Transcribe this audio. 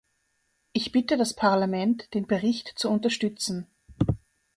Ich bitte das Parlament, den Bericht zu unterstützen.